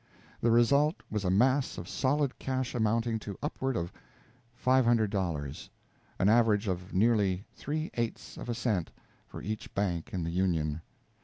The result was a mass of solid cash amounting to upward of five hundred dollars an average of nearly three eights of a cent for each bank in the Union.